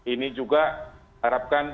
ini juga harapkan